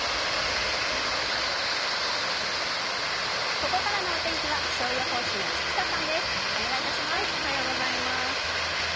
ここからお天気は、気象予報士の千種さんです。